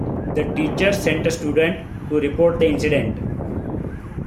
The teacher sent a student to report the incident.